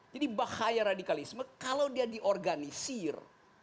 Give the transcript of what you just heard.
jadi bahaya radikalisme kalau dia diorganisir